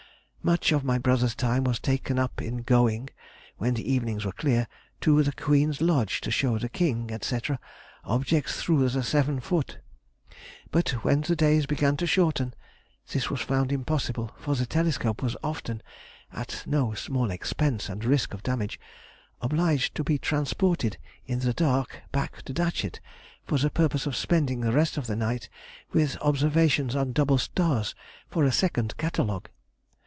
Much of my brother's time was taken up in going, when the evenings were clear, to the Queen's Lodge to show the King, &c., objects through the seven foot. But when the days began to shorten, this was found impossible, for the telescope was often (at no small expense and risk of damage) obliged to be transported in the dark back to Datchet, for the purpose of spending the rest of the night with observations on double stars for a second Catalogue.